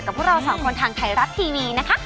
พวกเราสองคนทางไทยรัฐทีวีนะคะ